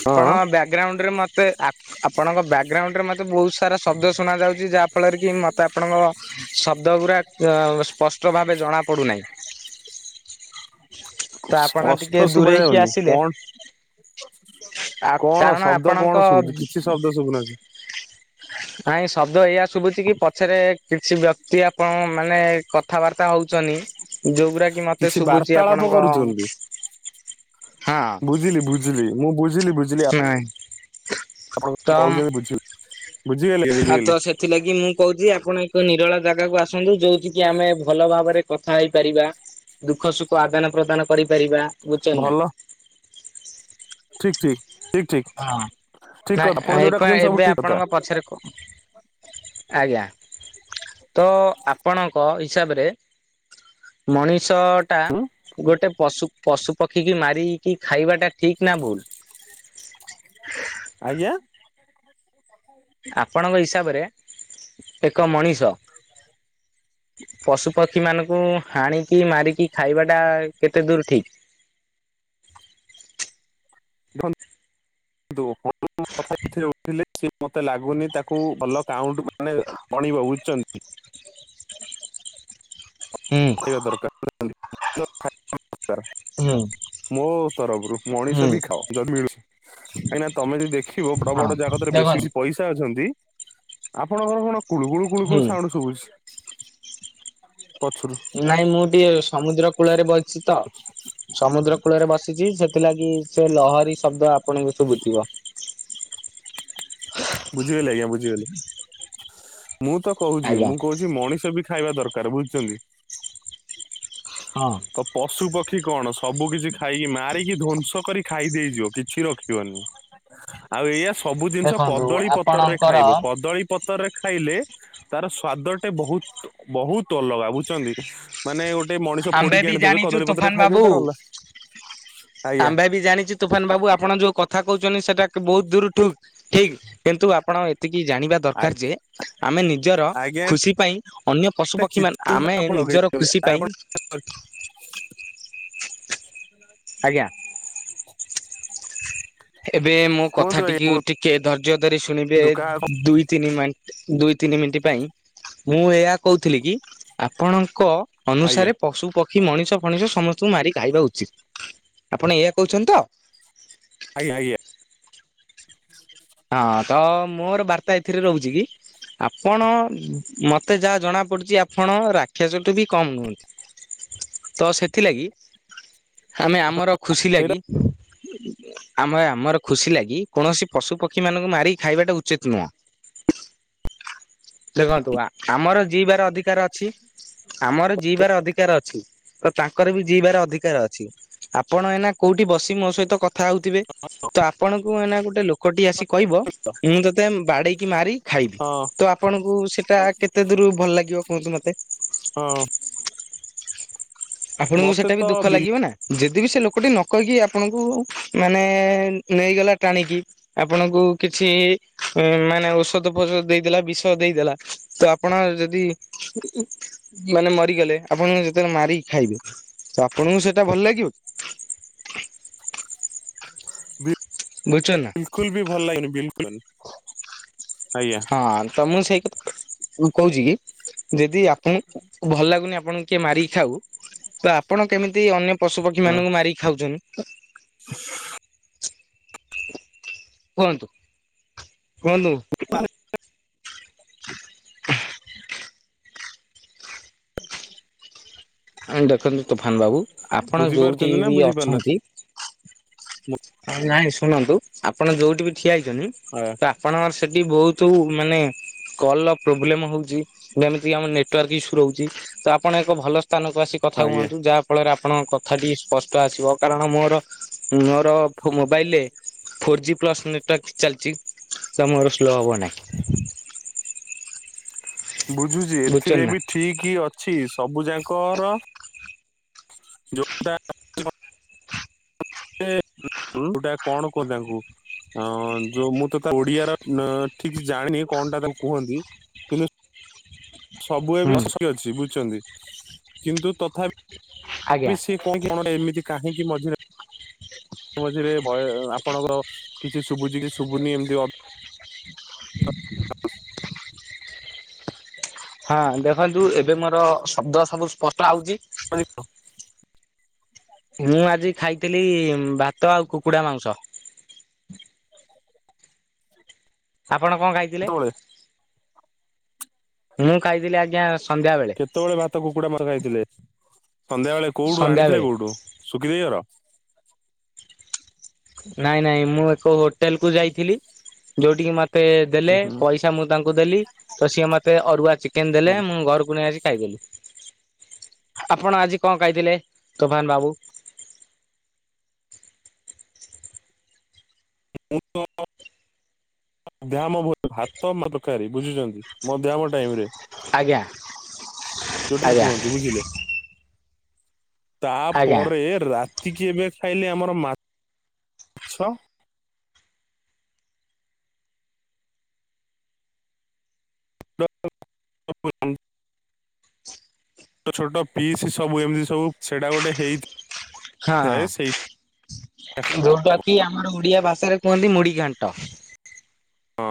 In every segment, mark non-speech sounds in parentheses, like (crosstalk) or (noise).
ଆପଣ ହଁ ବ୍ୟାକଗ୍ରାଉଣ୍ଡ ରେ ମତେ ଆପ ଆପଣଙ୍କ ବ୍ୟାକଗ୍ରାଉଣ୍ଡରେ ମତେ ବହୁତ ସାରା ଶବ୍ଦ ଶୁଣ ଯାଉଚି, ଯାହା ଫଳରେ କି ମତେ ଆପଣଙ୍କ ଶବ୍ଦ ଗୁରା ଅ ସ୍ପଷ୍ଟ ଭାବେ ଜଣା ପଡୁନାହିଁ। ତ ଆପଣ ସ୍ପଷ୍ଟ ଟିକେ ଶୁଭା ଦୂରେଇକି ଯାଉନି ଆସିଲେ କଣ ଆ କାରଣ ଆପଣଙ୍କ କହୁ ନାହାନ୍ତି? (inaudible) ନାଇଁ ଶବ୍ଦ ଏଇଆ ଶୁଭୁଚି କି, ପଛରେ କିଛି ବ୍ୟକ୍ତି ଆପଣ ମାନେ କଥାବାର୍ତ୍ତା ହଉଚନ୍ତି। ଯୋଉଗୁରା କି ମତେ କିଛି ଶୁଭୁଛି ବାର୍ତ୍ତାଳାପ ଆପଣଙ୍କ କରୁଚନ୍ତି, ହଁ ବୁଝିଲି ବୁଝି ମୁଁ ବୁଝିଲି ବୁଝିଲି। ନାଇଁ। ଆପଣ ତ କହୁଚନ୍ତି ବୁଝିଲି, ବୁଝିଗଲି ଆଜ୍ଞା ବୁଝିଗଲି। ଥିଲାଗି ମୁଁ କହୁଚି ଆପଣ ଏକ ନିରୋଳା ଜାଗାକୁ ଆସନ୍ତୁ ଯୋଉଠି କି ଆମେ ଭଲ ଭାବରେ କଥା ହେଇପାରିବା। ଦୁଃଖ ସୁଖ ଆଦାନ ପ୍ରଦାନ କରିପାରିବା, ବୁଝୁଚନ୍ତି ନା? ଠିକ୍ ଠିକ୍ ଠିକ୍ ହଁ। ଠିକ୍ ଠିକ୍ କଥା। ଆପଣ ଯୋଉଟା କହୁଚନ୍ତି ସବୁ ଠିକ୍ କଥା। ପଛେରେ କୁ ଆଜ୍ଞା ତ ଆପଣଙ୍କ ହିସାବରେ ମଣିଷ ଟା ହୁଁ ଗୋଟେ ପଶୁ। ପଶୁ ପକ୍ଷୀ କିି ମାରିକି ଖାଇବା ଟା ଠିକ ନା ଭୁଲ? ଆଜ୍ଞା? ଆପଣଙ୍କ ହିସାବରେ ଏକ ମଣିଷ ପଶୁପକ୍ଷୀ ମାନଙ୍କୁ ହାଣିକି ମାରିକି ଖାଇବା ଟା କେତେ ଦୂର ଠିକ୍? ଦେଖ ନ୍ତୁ (unintelligible) କଥା (unintelligible) ଉଠିଲେ ସ ମୋତେ ଲାଗୁନି ତାକୁ ଭଲ କାଉଣ୍ଟ ମାନେ ଗଣିବ ବୁଝଚନ୍ତି? ହୁଁ ଖୋଳିବା ଦରକାର ବୁଝିପାରିଲେ କି ନିଜ (unintelligible) ହୁଁ ମୋ ତରଫରୁ ହୁଁ ମଣିଷ ବି ଖାଅ ଯଦି ମିଳୁଚି। କାହିଁକି ନା ତମେ ଯଦି ଦେଖିବ ବଡ ହଁ ବଡ ଜାଗତରେ ବେଶୀ ଦେଖନ୍ତୁ ବେଶୀ ପଇସା ଅଛନ୍ତି। ଆପଣଙ୍କର କଣ କୁଳୁ କୁଳୁ କୁଳୁ ହୁଁ ସାଉଣ୍ଡ ସବୁଛି ପଛରୁ ନାଇଁ ମୁଁ ଟିକେ ସମୁଦ୍ର କୂଳରେ ବସିଛି ତ ସମୁଦ୍ର କୂଳରେ ବସିଛି ସେ ସେଥିଲାଗି ସେ ଲହରୀ ଶବ୍ଦ ଆପଣଙ୍କୁ ସୁଭୁଥିବ। ବୁଝିଗଲି ଆଜ୍ଞା ବୁଝିଗଲି। ମୁଁ ତ କହୁଛି ଆଜ୍ଞା। ମୁଁ କହୁଛି ମଣିଷ ବି ଖାଇବା ଦରକାର ବୁଝିଛନ୍ତି। ହଁ। ପଶୁ ପକ୍ଷୀ କଣ ସବୁ କିଛି ଖାଇକି ମାରିକି ଧ୍ଵଂସ କରି ଖାଇ ଦେଇଯିବ କିଛି ରଖିବନି। ଆଉ ଏଇୟା ସବୁ ଜିନିଷ ଦେଖନ୍ତୁ କଦଳୀ ପତରରେ ଆପଣଙ୍କର ଖାଇବ କଦଳୀ ପତରରେ ଖାଇଲେ ତାର ସ୍ଵାଦ ଟେ ବହୁତ ବହୁତ ଅଲଗା ବୁଝୁଛନ୍ତି। ମାନେ ଗୋଟେ ମଣିଷ ଆମ୍ଭେ ପୋଡିକି ବି ଆଣିଥିବେ ଜାଣିଛୁ କଦଳୀପତ୍ରରେ ତୋଫାନ ବାବୁ ଖାଇଦେବେ ତାର ଅଲ ଆଜ୍ଞା। ମୁଁ ବି ଜାଣିଚି ତୁଫାନ ବାବୁ ଆପଣ ଯୋଉ କଥା କହୁଛନ୍ତି ସେଟା ବହୁତ ଦୂରୁଠୁ ଠିକ୍ କିନ୍ତୁ ଆପଣ ଏ ଏତିକି ଜାଣିବା ଦରକାର ଯେ ଆମେ ନିଜର ଆଜ୍ଞା ଖୁସି ପାଇଁ ଅନ୍ୟ ପଶୁ ଗୋଟେ ପକ୍ଷୀ ମାନ ଚିତ୍ର ଆମେ ଆପଣ ନିଜର ଲଗେଇଛନ୍ତି ଖୁସି ପାଇଁ ଆପଣ ଆଜ୍ଞା ଏବେ ମୋ କଥା କୁହନ୍ତୁ ଆଜ୍ଞା ଟିକେ କୁହନ୍ତୁ ଟିକେ ଧୈର୍ଯ୍ୟ ଧରି ଶୁଣିବେ କାହା ଦୁଇ ତିନି ମାଇନ ଦୁଇ ତିନି ମିଣ୍ଟି ପାଇଁ ମୁଁ ଏହା କହୁଥିଲି କି ଆପଣଙ୍କ ଆଜ୍ଞା ଅନୁସାରେ ପଶୁ ପକ୍ଷୀ ମଣିଷ ଫଣିଷ ସମସ୍ତଙ୍କୁ ମାରି ଖାଇବା ଉଚିତ ଆପଣ ଏଇଆ କହୁଛନ୍ତି ତ? ଆଜ୍ଞା ଆଜ୍ଞା। (inaudible) ହଁ ତ ମୋର ବାର୍ତ୍ତା ଏଥିରେ ରହୁଛି କି? ଆପଣ ମତେ ଯାହା ଜଣା ପଡୁଛି ଆପଣ ରାକ୍ଷସ ଟୁ ବି କମ ନୁହନ୍ତି। ତ ସେଥିଲାଗି ଆମେ ଆମର ଖୁସି ସେଇଟା ଲାଗି ଆମେ ଆମର ଖୁସି ଲାଗି କୌଣସି ପଶୁ ପ ପକ୍ଷୀ ମାନଙ୍କୁ ମାରିକି ଖାଇବାଟା ଉଚିତ ନୁହଁ। ଦେଖନ୍ତୁ ଆମର ଜିଇବାର ଅଧିକାର ଅଛି। ଆମର ଜିଇବାର ଅଧିକାର ଅଛି ତ ତାଙ୍କର ବି ଜିଇବାର ଅଧିକାର ଅଛି। ଆପଣ ଏଇନା କୋଉଠି ବସିି ମୋ ସହିତ କ କଥା ହଉଥିବେ ତ ଆପଣଙ୍କୁ ମାନେ ଗୋଟେ ଲୋକଟି ଆସି କହିବ ମୁଁ ତୋତେ ବାଡେଇକି ମାରି ଖାଇବି। ହଁ ତ ଆପଣଙ୍କୁ ସେଇଟା କେତେ ଦୂରୁ ଭଲ ଲାଗିବ କୁହନ୍ତୁ ମତେ? ହଁ। ଆପଣଙ୍କୁ ମତେ ସେଟା ତ ବି ଦୁଃଖ ବିଲ୍ ଲାଗିବ ନା। ଯେଦି ବିି ସେ ଲୋକଟି ନ କହିକି ଆପଣଙ୍କୁ ମାନେ ନେଇଗଲା ଟାଣିକି। ଆପଣଙ୍କୁ କିଛି ମାନେ ଔଷଧ ଫୌଷଧ ଦେଇଦେଲା ବିଷ ଦେଇଦେଲା। ତ ଆପଣ ଯଦି ମାନେ ମରିଗଲେ ଆପଣ ଯେତେବେଳେ ମାରି ଖାଇବେ ତ ଆପଣଙ୍କୁ ସେଇଟା ଭଲ ଲାଗିବ? ବି ବୁଝୁଚନା। ବିଲକୁଲ ବି ଭଲ ଲାଗେନି ବିଲକୁଲ ବି ଆଜ୍ଞା। ହଁ ତ ମୁଁ ସେଇ କଥା କହୁଛି କି ଯଦି ଆପଣଙ୍କୁ ଭଲ ଲାଗୁନି ଆପଣଙ୍କୁ କିଏ ମାରିକି ଖାଉ ତ ଆପଣ କେମିତି ଅନ୍ୟକୁ ପଶୁ ପକ୍ଷୀ ହଁ ମାନଙ୍କୁ ମାରିକି ଖାଉଛନ୍ତି। (inaudible) କୁହନ୍ତୁ। କୁହନ୍ତୁ। (inaudible) ଦେଖନ୍ତୁ ତୁଫାନ ବାବୁ ଆପଣ ଯୋଉଠି ବୁଝିପାରୁଛନ୍ତି ନା ବି ବୁଝିପାରୁନାହାନ୍ତି ଅଛନ୍ତି। ମୁଁ ନାଇଁ ଶୁଣନ୍ତୁ ଆପଣ ଯୋଉଠି ବି ଠିଆ ହେଇଛନ୍ତି ଆ ତା ଆପଣଙ୍କର ସେଠି ବହୁତ ମାନେ କଲ ର ପ୍ରୋବ୍ଲେମ ହଉଛି ଯେମିତି‌କିି ଆମ ନେଟୱାର୍କ ଇସ୍ୟୁ ରହୁଛି। ତ ଆପଣ ଏକ ଭଲ ସ୍ଥାନକୁ ଆସି କଥା ଆଜ୍ଞା। ହୁଅନ୍ତୁ ଯାହା ଫଳରେ ଆପଣଙ୍କ କଥାଟି ସ୍ପଷ୍ଟ ଆସିବ କାରଣ ମୋର ମୋର ମୋ ମୋବାଇଲରେ ଫୋର ଜି ପ୍ଲସ ନେଟୱାର୍କ ଚାଲିଛି ତ ମୋର ସ୍ଲୋ ହବ ନାହିଁ। ବୁଝୁଛି ବୁଝୁଛନ୍ତି ଏଥିରେ ନା ବି ଠିକ ଅଛି ସବୁ ଯାଙ୍କର ଯୋଉଟା ଗୋଟେ ତୁ ଟା କଣ ପଦାକୁ ହଁ ଯୋଉ ମୁଁ ତ ତା ଓଡିଆର ଠିକ୍ ଜାଣିନି କଣ ଟା ତାକୁ କୁହନ୍ତି କିନ୍ତୁ ସବୁ ଏବେ ହୁଁ ଅସୁ ଅଛି ବୁଝୁଛନ୍ତି କିନ୍ତୁ ତ ଆଜ୍ଞା ସିଏ କହ କି କଣ ଏମିତି କାହିଁକି ମଝିରେ ମଝ ମଝିରେ ଭୟ ଆପଣଙ୍କ କିଛି ଶୁଛି କିଛି ଶୁଭୁନି ଏମିତି ହଁ ଦେଖନ୍ତୁ ଏବେ ମୋର ଶବ୍ଦ ସବୁ ସ୍ପଷ୍ଟ ଆଉଜି। (inaudible) ମୁଁ ଆଜି ଖାଇଥିଲି ଭାତ ଆଉ କୁକୁଡ଼ା ମାଂଉସ। ଆପଣ କଣ ଖାଇଥିଲେ କେତେବେଳେ ମୁଁ ଖାଇଥିଲି ଆଜି ଆଜ୍ଞା ସନ୍ଧ୍ୟା ବେଳେ। କେତେବେଳେ ଭାତ କୁକୁଡା ମାଂସ ଖାଇଥିଲେ ସନ୍ଧ୍ୟା ବେଳେ କୋଉଠୁ ସନ୍ଧ୍ୟା ଆଣିଥିଲେ ବେଳେ କୋଉଠୁ ଶୁଖିଦେଇହର। ନାଇଁ ନାଇଁ ମୁଁ ଏକ ହୋଟେଲ କୁ ଯାଇଥିଲି ଯୋଉଠିକି ମତେ ମତେ ଦେଲେ ହୁଁ ହୁଁ ପଇସା ମୁଁ ତାଙ୍କୁ ଦେଲି ତ ସିଏ ମତେ ଅରୁଆ ଚିକେନ ଦେଲେ ମୁଁ ଘରକୁ ନେଇ ଆସି ଖାଇ ଥିଲେ ଆପଣ ଆଜି କଣ କହିଥିଲେ ତୋଫାନ ବାବୁ। (inaudible) ଏହାମୋ ଭାତ ତରକାରି ବୁଝୁଛନ୍ତି ମଧ୍ୟମ ଟାଇମ ରେ ଆଜ୍ଞା ଯୋଉଟା ନା ଆଜ୍ଞା କୁହନ୍ତି ବୁଝିଲେ। ଆଜ୍ଞା ତାପରେ ରାତିକି ଏବେ ଖାଇଲେ ଆମର ମାଛ ଛ (inaudible) (unintelligible) ଛୋଟ ଛୋଟ ପିସ୍ ସବୁମିତି ସବୁ ସେଇଟା ଗୋଟେ ହେଇଥାଏ। ହଁ ସେଇ ଯୋଉଟା କି ଆମର ଓଡିଆ ଭାଷାରେ କୁହନ୍ତି ମୁଡି ଘାଣ୍ଟ। ହଁ।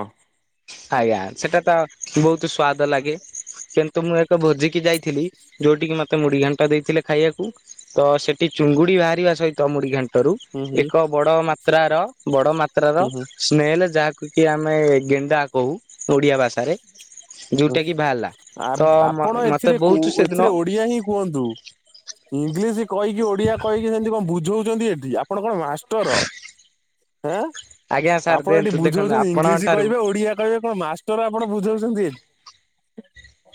ଆଜ୍ଞା ସେଟା ତ ବହୁତ ସ୍ଵାଦ ଲାଗେ କିନ୍ତୁ ମୁଁ ଏକ ଭୋଜିିକି ଯାଇଥିଲି। ଯୋଉଠିକି ମତେ ମୁଢ଼ି ଘାଣ୍ଟ ଦେଇଥିଲେ ଖାଇବାକୁ ତ ସେଠି ଚୁଙ୍ଗୁଡି ବାହାରିବା ସହିତ ମୁଢ଼ି ଘାଣ୍ଟ ଠାରୁ ହୁଁ ହୁଁ ଏକ ବଡ଼ ମାତ୍ରାର ବଡ଼ ମାତ୍ରାର ହୁଁ ସ୍ମେଲ ଯାହାକୁ କି ଆମେ ଗେଣ୍ଡା କହୁ ଓଡିଆ ଭାଷାରେ ଯୋଉଟା କି ବାହାରିଲା ତ ମ ଆପଣ ମତେ ଏଥିରେ ବହୁତ ସେଦିନ ଏଥିରେ ଓଡିଆ ହିଁ କୁହନ୍ତୁ। ଇଂଲିଶ କହିକି ଓଡିଆ କହିକି ସେମିତି କଣ ବୁଝଉଛନ୍ତି ଏଠି ଆପଣ କଣ ମାଷ୍ଟର? ଏଁ ଆଜ୍ଞା ସାର୍ ଆପଣ ଏଠି ଦିଅନ୍ତୁ ଦେଖନ୍ତୁ ବୁଝଉଛନ୍ତି ଆପଣଙ୍କ ଇଂଲିଶ ଠାରୁ କହିବେ ଓଡିଆ କହିବେ କଣ ମାଷ୍ଟର ଆପଣ ବୁଝାଉଛନ୍ତି।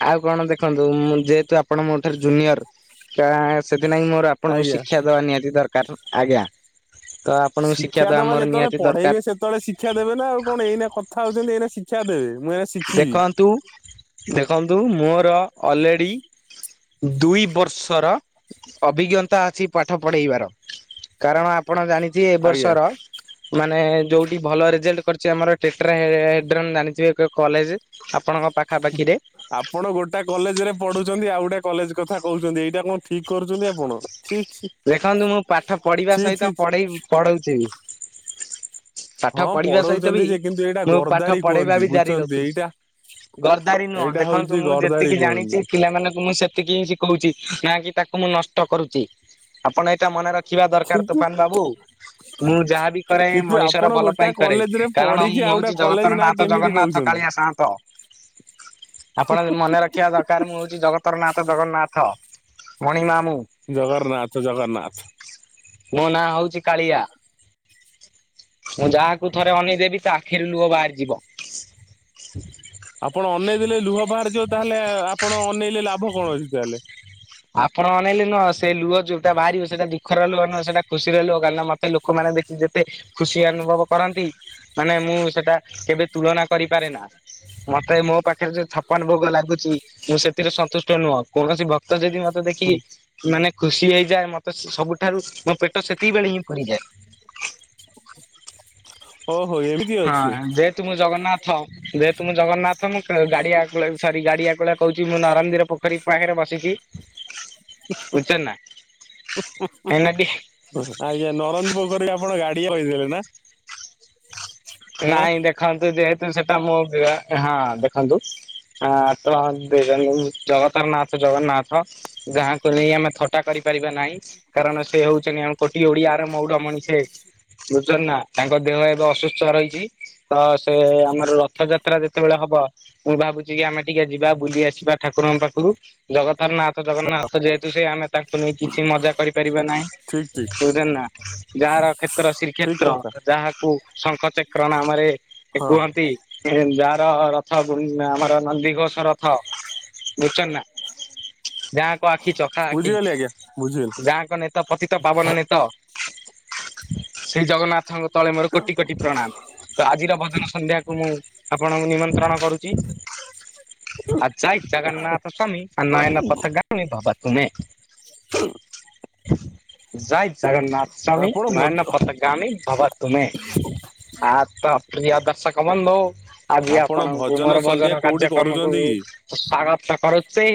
ଆଉ କଣ ଦେଖନ୍ତୁ। ତ ମୁଁ ଯେହେତୁ ଆପଣ ମୋଠାରୁ ଜୁନିୟର ସେଥିନାଗି ମୋର ଆପଣଙ୍କୁ ଆଜ୍ଞା। ଶିକ୍ଷା ଦବା ନିହାତି ଦରକାର। ଆଜ୍ଞା ତ ଆପଣଙ୍କୁ ଶିକ୍ଷା ଦେବା ଆମର ନିହାତି ଦରକାର। ତଳେ ଶିକ୍ଷା ଦେବେ ନା ଆଉ କଣ ଏଇନା କଥା ହଉଛନ୍ତି ଏଇନା ଶିକ୍ଷା ଦେ ମୁଁ ଶିଖିବି ଦେଖନ୍ତୁ ଦେଖନ୍ତୁ ମୋର ଅଲରେଡ଼ି ଦୁଇ ବର୍ଷର ଅଭିଜ୍ଞତା ଅଛି ପାଠ ପଢେଇବାର। କାରଣ ଆପଣ ଜାଣିଥିବେ ଏ ଆଜ୍ଞା। ବର୍ଷର ମାନେ ଯୋଉଠି ଭଲ ରେଜଲ୍ଟ କରିଛି ଆମର। ଟେଟ୍ରା ଏ ଡ୍ରେନ୍ ଜାଣିଥିବେ। କଲେଜ ଆପଣଙ୍କ ପାଖାପାଖିରେ ଆପଣ ଗୋଟା କଲେଜ ରେ ପଢୁଛନ୍ତି ଆଉ ଗୋଟେ କଲେଜ କଥା କହୁଛନ୍ତି ଏଇଟା କଣ ଠିକ କରୁଛନ୍ତି ଆପଣ? ଛି ଛି ଦେଖନ୍ତୁ ମୁଁ ପାଠ ପଢିବା ଛି ଛି ସହିତ ପଢେଇ ପଢଉଛିି। ପାଠ ହଁ ପଢିବା ସହିତ ପଢଉଛନ୍ତି ବି ଯେ କିନ୍ତୁ ଏଇଟା ମୁଁ ପାଠ ଗର୍ଦାରି ପଢେଇବା କୁହନ୍ତି ବି ଜାରି ବୁଝୁଛନ୍ତି ରଖୁଛି। ଏଇଟା ଗର୍ଦାରି ନୁହଁ ଏଇଟା ଦେଖନ୍ତୁ ହଉଛି ମୁଁ ଗର୍ଦାରି ଯେତିକି କୁହନ୍ତି ଜାଣିଛି ପିଲାମାନଙ୍କୁ ମୁଁ ସେତିକି କୋହୁଚି ନାକି ତାକୁ ମୁଁ ନଷ୍ଟ କରୁଚି ଆପଣ ଏଟା ମନେ ରଖ ଦେଖିବା ଦରକାର କିନ୍ତୁ ତୁଫାନ ବାବୁ ମୁଁ ଯାହାବି କରେ ଏ କିନ୍ତୁ ମଣିଷର ଆପଣ ଭଲ ଗୋଟା ପାଇଁ କରେ କଲେଜରେ କାରଣ ମୁଁ ପଢିକି ଆଉ ଗୋଟେ ହୋଉଚି କଲେଜ ଜଗତର ନାଁ ନାଥ କେମିତି ଜଗନ୍ନାଥ କହୁଛନ୍ତି? କାଳିଆ ସାଆନ୍ତ। ଆପଣ ମନେ ରଖିବା ଦରକାର ମୁଁ ହୋଉଚି ଜଗତର ନାଥ ଜଗନ୍ନାଥ ମଣିମା ମୁଁ। ଜଗନ୍ନାଥ ଜଗନ୍ନାଥ। ମୋ ନାଁ ହୋଉଚି କାଳିଆ। ମୁଁ ଯାହାକୁ ଥରେ ଅନେଇ ଦେବି ତା ଆଖିରେ ଲୁହ ବାହାରିଯିବ। ଆପଣ ଅନେଇ ଦେଲେ ଲୁହ ବାହାରି ଯିବ ତାହେଲେ ଆପଣ ଅନେଇଲେ ଲାଭ କଣ ଅଛି ତାହେଲେ। ଆପଣ ଅନେଇଲେ ନୁହଁ ସେ ଲୁହ ଯୋଉଟା ବାହାରିବ ସେଇଟା ଦୁଃଖ ଲୁହ ନହଁ ସେଟା ଖୁସିର ଲୁହ କାରଣ ମତେ ଲୋକମାନେ ଦେଖି ଦେ ଏତେ ଖୁସି ଅନୁଭବ କରନ୍ତି ମାନେ ମୁଁ ସେଟା କେବେ ତୁଳନା କରିପାରେ ନା। ମତେ ମୋ ପାଖରେ ଯୋଉ ଛପାନ ଭୋଗ ଲାଗୁଚି ମୁଁ ସେଥିରେ ସନ୍ତୁଷ୍ଟ ନୁହଁ କୌଣସି ଭ କ୍ତ ଯଦି ମତେ ଦେଖିକି ମାନେ ଖୁସି ହେଇଯାଏ ମତେ ସ୍-ସବୁଠାରୁ ମୋ ପେଟ ସେତିକି ବେଳେ ହିଁ ପୁରିଯାଏ। ଓହୋ ଏମି ହଁ ଯେହେତୁ ମୁ ଜଗନ୍ନା ହଁ ଯେହେତୁ ମୁଁ ଜଗନ୍ନାଥ ମୁଁ ଗାଡିଆ ଆକୁଳା କହୁଛି ମୁଁ ନରନ୍ଦିର ପୋଖରୀ ପାଖରେ ବସିଲି। ବୁଝୁଛନ୍ତି ନା କାହିଁକିନା ଟିକ୍ ଆଜ୍ଞା ନରନ୍ଦି ପୋଖରୀକି ଆପଣ ଗାଡିଆ କହିଦେଲେ ନା? ହଁ ନାଇଁ ଦେଖନ୍ତୁ ଯେହେତୁ ସେଟା ମୋ ବେଳା ହଁ ଦେଖନ୍ତୁ ଆ ତ (unintelligible) ଜଗତାର ନାଥ ଜଗନ୍ନାଥ ଯାହାଙ୍କୁ ନେଇ ଆମେ ଥଟା କରିପାରିବା ନାହିଁ କାରଣ ସେ ହୋଉଚନ୍ତି ଆମ କୋଟି ଓଡିଆର ମଉଡ ମଣି ସେ ବୁଝୁଚନ୍ତି ନା ତାଙ୍କ ଦେହ ଏବେ ଅସୁସ୍ଥ ରହି ଚ ତ ସେ ଆମର ରଥ ଯାତ୍ରା ଯେତେବେଳେ ହବ ମୁଁ ଭାବୁଚି କି ଆମେ ଟିକେ ଯିବା ବୁଲି ଆସିବା ଠାକୁରଙ୍କ ପାଖରୁ ଜଗ ଜଗନ୍ନାଥ ଜଗନ୍ନାଥ ଯେହେତୁ ସେ ଆମେ ତାଙ୍କୁ ନେଇ କିଛି ମଜା କରିପାରିବା ନାହିଁ। ଠିକ ଠିକ ବୁଝ ନା ଯାହାର କ୍ଷେତ୍ର ଠିକ ଶ୍ରୀକ୍ଷେତ୍ର କଥା ଯାହାକୁ ଶଙ୍ଖ ଚ ନାମରେ ଏ ହଁ କୁହନ୍ତି ଏ ଯାହାର ରଥ ଗୁ ଆମର ନନ୍ଦିଘୋଷ ର ଥ ବୁଝୁଚନ୍ତି ନା ଯାହାଙ୍କ ଆଖି ଚଖାଆଖି। ବୁଝିଗଲି ଆଜ୍ଞା ବୁଝିଗଲି। ଯାହାଙ୍କ ନେତ ପତିତ ପାବନ ନେତ। ସେଇ ଜଗନ୍ନାଥଙ୍କ ତଳେ ମୋର କୋଟି କୋଟି ପ୍ରଣାମ। ତ ଆଜିର ଭଜନ ସନ୍ଧ୍ୟାକୁୁ ମୁଁ ଆପଣଙ୍କୁ ନିମନ୍ତ୍ରଣ କରୁଚି। ଆ ଜୟ ଜଗନ୍ନାଥ ସ୍ବାମୀ ଆ ନୟନ ପଥଗାମୀ ଭବ ତୁମେ। ଜୟ ଜଗନ୍ନାଥ ସାମୀ ଆପଣ ଭଜ ନୟନ ପଥ ଗାମି ଭବ ତୁମେ ଆ ତ ପ୍ରିୟ ଦର୍ଶକ ବନ୍ଧୁ ଆଜି ଆପଣ ଆପଣଙ୍କୁ ମୋର ସନ୍ଧ୍ୟା ଭଜନ କୋଉଠି କାର୍ଯ୍ୟକ୍ରମକୁ କରୁଛନ୍ତି କି? ସ୍ଵାଗତ କରୁଚି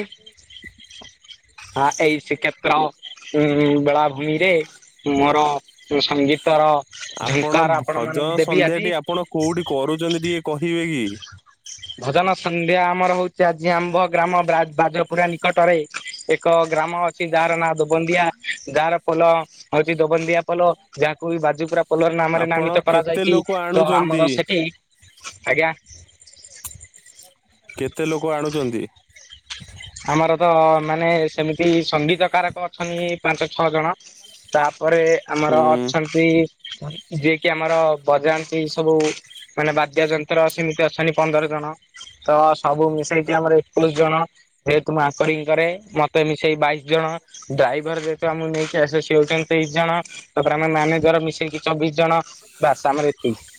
ଆ ଏଇ ଶ୍ରୀକ୍ଷେତ୍ର ଉଁ ଉଁ ବେଳାଭୂମିରେ ମୋର ଉଁ ସଙ୍ଗୀତର ଝଙ୍କାର ଆପଣମାନଙ୍କୁ ଦେ ସନ୍ଧ୍ୟାଟେ ଆପଣ କୋଉଠି କରୁଚନ୍ତି ଟିକେ କହିବେ କି? ଭଜନ ସନ୍ଧ୍ୟା ଆମର ହୋଉଚି ଆଜି ଆମ୍ଭ ଗ୍ରାମ ବ୍ରା-ବାଜପୁରା ନିକଟରେ। ଏକ ଗ୍ରାମ ଅଛି ଯାହାର ନାଁ ଦୋବନ୍ଦିଆ ଗାଁର ପୋଲ ହୋଉଚି ଦୋବନ୍ଦିଆ ପୋଲ ଯାହାକୁ କି ବାଜୁପୁରା ପୋଲର ନାମରେ ଆପଣ ନାମିତ କରାଯାଇ କେତେ ଲୋକ ତ ଆଣୁଛନ୍ତି ଆମର ସେଠି ଆଜ୍ଞା? କେତେ ଲୋକ ଆଣୁଚନ୍ତି? ଆମର ତ ମାନେ ସେମିତି ସଙ୍ଗୀତ କାରକ ଅଛନ୍ତି ପାଞ୍ଚଛଅ ଜଣ। ତାପରେ ଆମର ଉଁ ଅଛନ୍ତି ଯିଏକିି ଆମର ବଜାନ୍ତି ସବୁ ମାନେ ବାଦ୍ୟ ଯନ୍ତ୍ର ସେମିତି ଅଛନ୍ତି ପନ୍ଦର ଜଣ ତ ସବୁ ମିଶେଇକି ଆମର ଏକୋଇଶ ଜଣ। ଯେହେତୁ ମୁଁ ଆଙ୍କରିଙ୍ଗ କରେ ମତେ ମିଶେଇ ବାଇଶ ଜଣ। ଡ୍ରାଇଭର ଯେହେତୁ ଆମକୁ ନେଇକି ଆସେ ସେ ହୋଉଚନ୍ତି ତେଇଶ ଜଣ। ତାପରେ ଆମେ ମ୍ୟାନେଜର ମିଶେଇକି ଚବିଶ ଜଣ ବାସ ଆମର ଏତିକି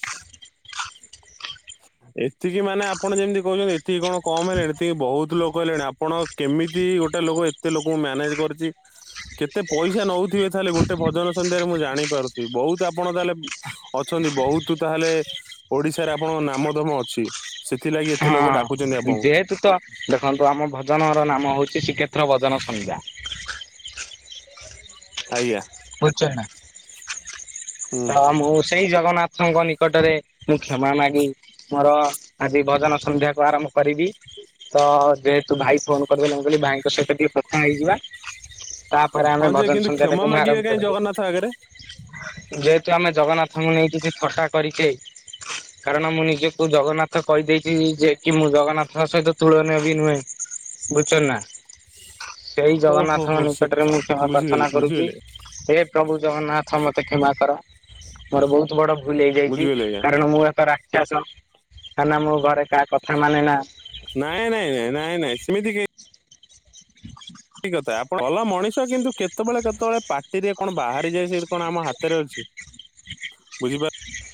ଏତିକି ମାନେ ଆପଣ ଯେମିତି କହୁଛନ୍ତି ଏତିକି କଣ କମ ହେଲେଣି ଏତିକି ବହୁତ ଲୋକ ହେଲେଣି। ଆପଣ କେମିତି ଗୋଟେ ଲୋକ ଏତେ ଲୋକଙ୍କୁ ମ୍ୟାନେଜ କରିଛି। କେତେ ପଇସା ନଉଥିବେ ତାହେଲେ ଗୋଟେ ଭଜନ ସନ୍ଧ୍ୟାରେ ମୁଁ ଜାଣିପାରୁଥିବି। ବହୁତ ଆପଣ ତାହେଲେ ଅଛନ୍ତି ବହୁତ ତାହେଲେ ଓଡିଶାରେ ଆପଣଙ୍କ ନାମଧମ ଅଛି। ସେଥିଲାଗି ଏତେ ଲୋକ ଡାକୁଛନ୍ତି ହଁ ଆପଣଙ୍କୁ ଯେହେତୁ ତ ଦେଖନ୍ତୁ ଆମ ଭଜନ ର ନାମ ହଉଛି ଶ୍ରୀକ୍ଷେତ୍ର ଭଜନ ସନ୍ଧ୍ୟା। ଆଜ୍ଞା। ବୁଝଛ ନା? ହୁଁ ତ ମୁଁ ସେଇ ଜଗନ୍ନାଥଙ୍କ ନିକଟରେ ମୁଁ କ୍ଷମା ମାଗି ମୋର ଆଜି ଭଜନ ସନ୍ଧ୍ୟାକୁ ଆରମ୍ଭ କରିବି। ତ ଯେହେତୁ ଭାଇ ଫୋନ କରିଦେଲେ କହିଲି ଭାଇଙ୍କ ସହିତ ଟିକେ କଥା ହେଇଯିବା। ତାପରେ ଆମେ ଭଜନ ସଂଧ୍ୟ୍ୟା ଟାକୁ ମୁଁ ଆରମ୍ଭ କରିବି। ସାାଗରେ ଯେହେତୁ ଆମେ ଜଗନ୍ନାଥଙ୍କୁ ନେଇକଛି ଥଟା କରିକି କାରଣ ମୁଁ ନିଜକୁ ଜଗନ୍ନାଥ ତ କହିଦେଇଛି ଯେ କି ମୁଁ ଜଗନ୍ନାଥଙ୍କ ସହିତ ତୁଳନିୟ ବି ନୁହେଁ। ବୁଝଛ ନା? ସେଇ ଓହୋ ଜଗନ୍ନାଥଙ୍କ ହୋ ସେ ନିକଟରେ ମୁଁ ଷମା ବୁଝିଗଲି ପ୍ରାର୍ଥନା କରୁଛି ବୁଝିଗଲି ଏ ପ୍ରଭୁ ଜଗନ୍ନାଥ ମତେ କ୍ଷମା କର ମୋର ବହୁତ ବଡ ଭୁଲ ହେଇଯାଇଛି। ବୁଝିଗଲି ଆଜ୍ଞା କାରଣ ମୁଁ ଏକ ରା କାଁ ନା ମୁଁ ଘରେ କାହା କଥା ମାନେ ନା। ନାଇଁ ନାଇଁ ନାଇଁ ନାଇଁ ନାଇଁ ସେମିତି କେହି ଠିକ କଥା ଆପଣ ଭଲ ମଣିଷ କିନ୍ତୁ କେତେବେଳେ କେତେବେଳେ ପାଟିରେ କଣ ବାହାରି ଯାଏ ସେି କଣ ଆମ ହାତରେ ଅଛି। ବୁଝିିବା